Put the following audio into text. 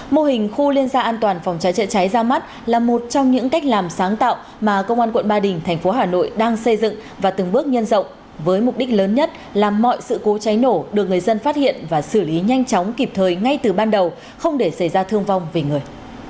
mô hình khu liên gia an toàn phòng cháy trợ cháy ra mắt là một trong những cách làm sáng tạo mà công an quận ba đình thành phố hà nội đang xây dựng và từng bước nhân rộng với mục đích lớn nhất là mọi sự cố cháy nổ được người dân phát hiện và xử lý nhanh chóng kịp thời ngay từ ban đầu không để xảy ra thương vong về người